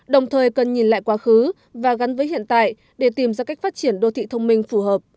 đồng thời cần nhìn lại quá khứ và gắn với hiện tại để tìm ra cách phát triển đô thị thông minh phù hợp